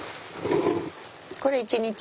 これ１日目。